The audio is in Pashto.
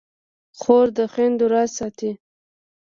خور د خویندو راز ساتي.